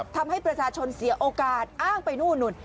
ทำให้ประชาชนเสียโอกาสอ้างไปนู่นนู่น